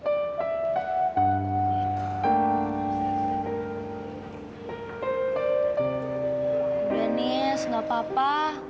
udah nis gak apa apa